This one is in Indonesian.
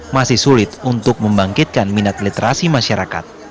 masih sulit untuk membangkitkan minat literasi masyarakat